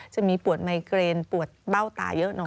จะมีปวดไมเกรนปวดเบ้าตาเยอะหน่อย